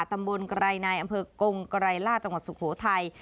ตำบลไกรนายอำเภอกงไกรลาจังงหาทสุโขทัย